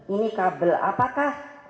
ini kabel apakah